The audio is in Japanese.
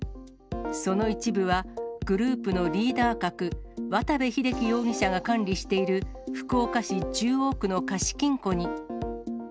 その一部は、グループのリーダー格、渡部秀規容疑者が管理している、福岡市中央区の貸し金庫に。